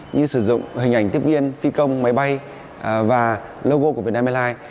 như sử dụng hình ảnh tiếp viên phi công máy bay và logo của việt nam airlines